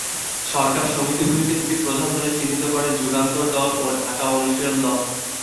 সরকার সমিতিগুলিকে দুটি প্রধান দলে চিহ্নিত করে- যুগান্তর দল ও ঢাকা অনুশীলন দল।